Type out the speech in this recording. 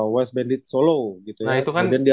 west bandit solo gitu ya nah itu kan kemudian dia